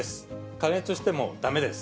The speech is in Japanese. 加熱してもだめです。